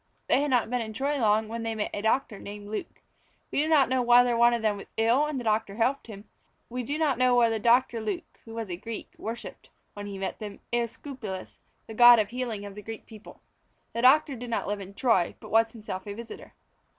They had not been in Troy long when they met a doctor named Luke. We do not know whether one of them was ill and the doctor helped him; we do not know whether Doctor Luke (who was a Greek) worshipped, when he met them, Æsculapius, the god of healing of the Greek people. The doctor did not live in Troy, but was himself a visitor.